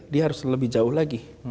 dia harus lebih jauh lagi